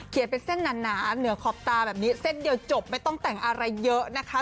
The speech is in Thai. เป็นเส้นหนาเหนือขอบตาแบบนี้เส้นเดียวจบไม่ต้องแต่งอะไรเยอะนะคะ